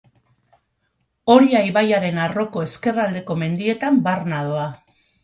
Oria ibaiaren arroko ezkerraldeko mendietan barna doa.